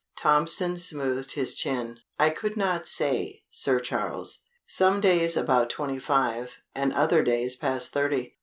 Tompson smoothed his chin: "I could not say, Sir Charles. Some days about twenty five, and other days past thirty.